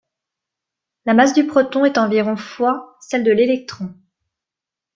La masse du proton est environ fois celle de l'électron.